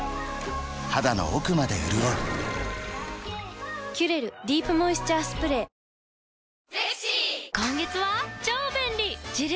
肌の奥まで潤う「キュレルディープモイスチャースプレー」まだ始めてないの？